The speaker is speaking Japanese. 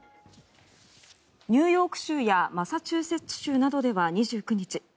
ニューヨーク州やマサチューセッツ州などでは２９日